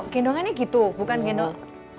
gendongannya gitu bukan gendong